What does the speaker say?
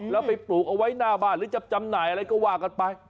แล้วไปปลูกเอาไว้หน้าบ้านหรือจะจำหน่ายอะไรก็ว่ากันไป